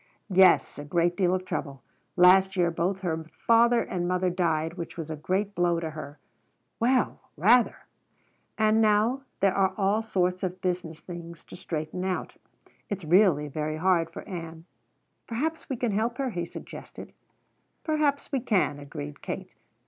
"Yes, a great deal of trouble. Last year both her father and mother died, which was a great blow to her." "Well, rather!" "And now there are all sorts of business things to straighten out. It's really very hard for Ann." "Perhaps we can help her," he suggested. "Perhaps we can," agreed Kate.